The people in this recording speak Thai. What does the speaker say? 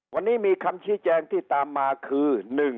วันนี้มีคำชี้แจงที่ตามมาคือ